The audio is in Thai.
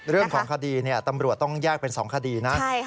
เรื่องของคดีถูกแยกไป๒คดีนะ